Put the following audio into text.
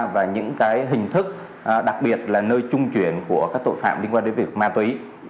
và những hình thức đặc biệt là nơi trung chuyển của các tội phạm liên quan đến việc ma túy